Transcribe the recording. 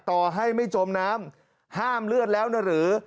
ต่อให้ไม่จมน้ำห้ามเลือดแล้วนะหรือ